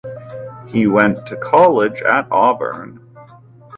He went to college at Auburn.